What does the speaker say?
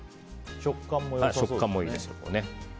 食感もいいです。